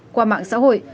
qua mạng xã hội